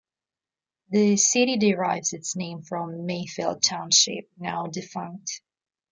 The city derives its name from Mayfield Township, now defunct.